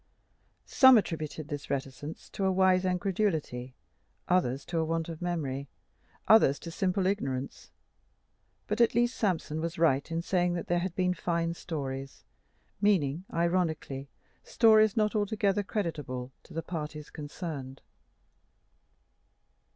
Some attributed this reticence to a wise incredulity, others to a want of memory, others to simple ignorance. But at least Sampson was right in saying that there had been fine stories meaning, ironically, stories not altogether creditable to the parties concerned.